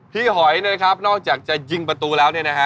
หอยนะครับนอกจากจะยิงประตูแล้วเนี่ยนะฮะ